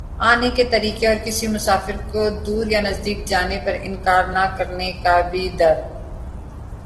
آنے کے طریقے اور کسی مسافر کودور یا نزدیک جانے پر انکار نہ کرنے کا بھی در